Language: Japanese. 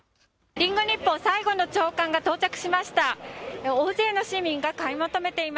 リンゴ日報、最後の朝刊が到着しました。